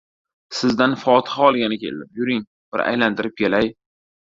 — Sizdan fotiha olgani keldim. Yuring, bir aylantirib kelay.